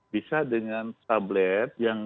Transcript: bisa dengan tablet yang